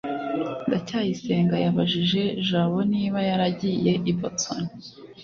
ndacyayisenga yabajije jabo niba yaragiye i boston